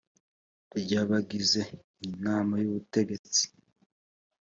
ry abagize inama y ubutegetsi